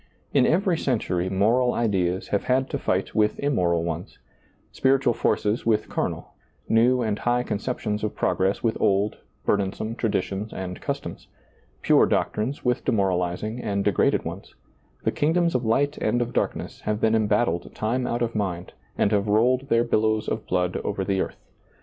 In every century moral ideas have had to fight with immoral ones ; spiritual forces with carnal; new and high conceptions of progress with old, burdensome traditions and customs; pure doctrines with demoralizing and degraded ones ; the kingdoms of light and of darkness have been embattled time out of mind, and have rolled their billows of blood over the earth.